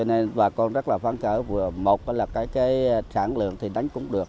nên bà con rất là phán cỡ một là cái sản lượng thì đánh cũng được